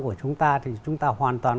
của chúng ta thì chúng ta hoàn toàn